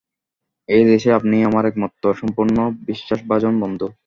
এ দেশে আপনিই আমার একমাত্র সম্পূর্ণ বিশ্বাসভাজন বন্ধু।